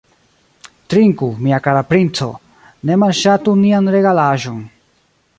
Trinku, mia kara princo, ne malŝatu nian regalaĵon!